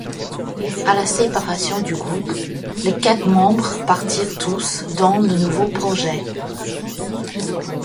À la séparation du groupe, les quatre membres partirent tous dans de nouveaux projets.